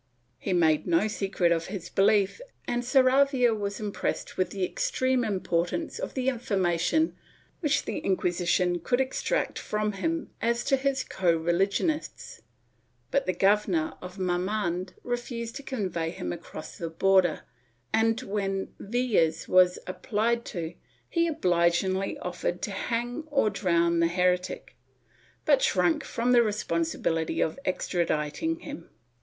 He made no secret of his belief and Sarravia was impressed with the extreme importance of the information which the Inquisition could extract from him as to his co religionists, but the Governor of Marmande refused to convey him across the border and, when Villars was applied to, he obligingly offered to hang or drown the heretic, but shrunk from the responsibility of extraditing him.